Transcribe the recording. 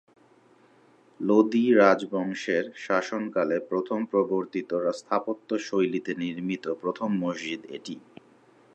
লোদি রাজবংশের শাসনকালে প্রথম প্রবর্তিত স্থাপত্যশৈলীতে নির্মিত প্রথম মসজিদ এটিই।